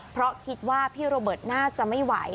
เพราะคิดว่าพี่โรเบิร์ตน่าจะไม่ไหว